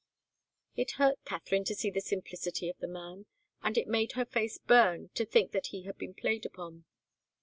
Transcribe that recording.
It hurt Katharine to see the simplicity of the man, and it made her face burn to think that he had been played upon.